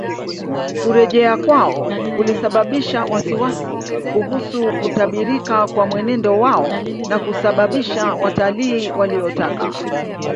Kurejea kwao kulisababisha wasiwasi kuhusu kutabirika kwa mwenendo wao na kusababisha watalii waliotaka